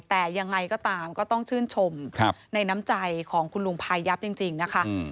แต่ยังไงก็ตามก็ต้องชื่นชมในน้ำใจของคุณลุงพายับจริงนะคะ